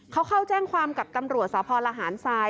เขาเข้าแจ้งความกับตำรวจสพลหารทราย